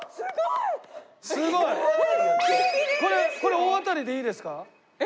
これ大当たりでいいですか？